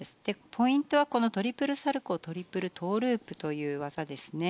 ポイントはこのトリプルサルコウトリプルトウループという技ですね。